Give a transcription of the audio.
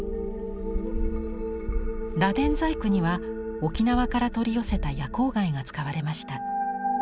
螺鈿細工には沖縄から取り寄せた夜光貝が使われました。